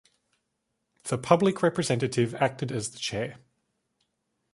The public representative acted as the chair.